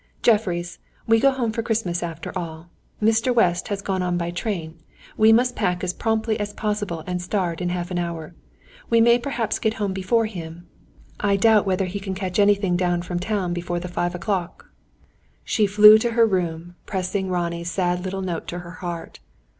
"Jeffreys, we go home for Christmas after all. Mr. West has gone on by train. We must pack as promptly as possible, and start in half an hour. We may perhaps get home before him. I doubt whether he can catch anything down from town before the five o'clock." She flew to her room, pressing Ronnie's sad little note to her heart.